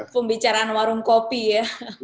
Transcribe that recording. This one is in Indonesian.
pembicaraan warung kopi ya